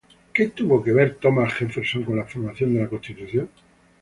¿Qué tuvo que ver Thomas Jefferson con la formación de la Constitución?